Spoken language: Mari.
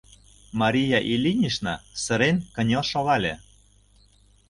Мария Ильинична сырен кынел шогале: